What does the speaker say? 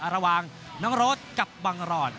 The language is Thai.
ระหว่างน้องโรดกับบังรอด